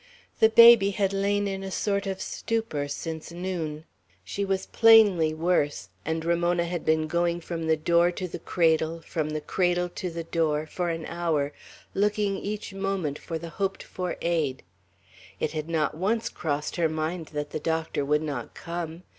The baby had lain in a sort of stupor since noon; she was plainly worse, and Ramona had been going from the door to the cradle, from the cradle to the door, for an hour, looking each moment for the hoped for aid. It had not once crossed her mind that the doctor would not come.